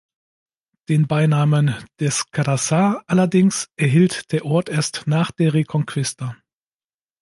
Den Beinamen "des Cardassar" allerdings erhielt der Ort erst nach der Reconquista.